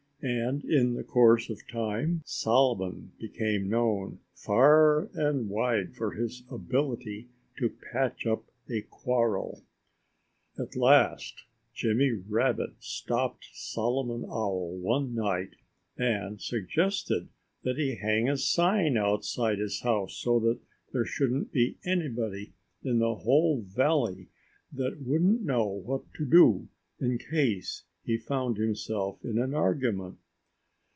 And in the course of time Solomon became known far and wide for his ability to patch up a quarrel. At last Jimmy Rabbit stopped Solomon Owl one night and suggested that he hang a sign outside his house, so that there shouldn't be anybody in the whole valley that wouldn't know what to do in case he found himself in an argument.